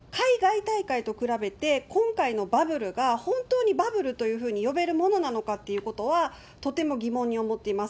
バブルについてなんですけれども、やっぱり、例えば海外大会と比べて、今回のバブルが本当にバブルというふうに呼べるものなのかっていうことは、とても疑問に思っています。